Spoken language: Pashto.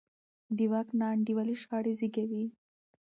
د واک ناانډولي شخړې زېږوي